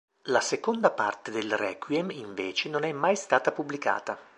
La seconda parte del requiem invece non è mai stata pubblicata.